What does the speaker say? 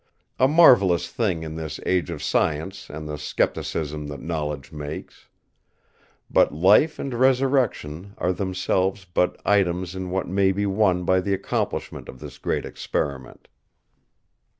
A marvellous thing in this age of science, and the scepticism that knowledge makes. But life and resurrection are themselves but items in what may be won by the accomplishment of this Great Experiment.